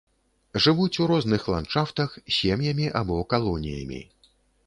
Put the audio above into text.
Жывуць у розных ландшафтах, сем'ямі або калоніямі.